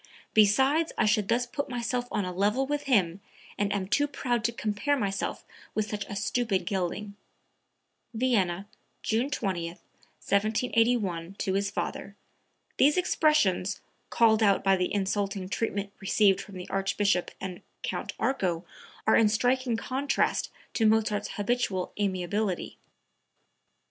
Besides I should thus put myself on a level with him, and I am too proud to compare myself with such a stupid gelding." (Vienna, June 20, 1781, to his father. These expressions, called out by the insulting treatment received from the Archbishop and Count Arco, are in striking contrast to Mozart's habitual amiability.)